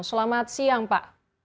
selamat siang pak